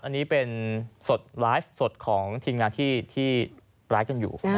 อันนี้เป็นสดไลฟ์สดของทีมงานที่ไลฟ์กันอยู่